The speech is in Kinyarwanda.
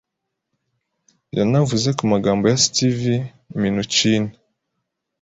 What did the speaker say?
yanavuze ku magambo ya Steve Mnuchin,